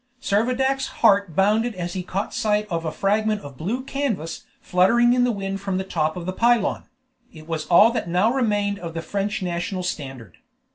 Servadac's heart bounded as he caught sight of a fragment of blue canvas fluttering in the wind from the top of the pylone: it was all that now remained of the French national standard.